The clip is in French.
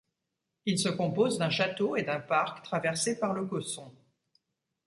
Il se compose d'un château et d'un parc traversé par le Cosson.